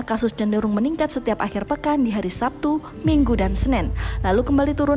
kasus cenderung meningkat setiap akhir pekan di hari sabtu minggu dan senin lalu kembali turun